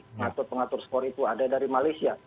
pengatur pengatur skor itu ada dari malaysia